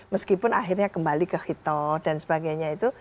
meskipun akhirnya kembali ke hitoh dan sebagainya itu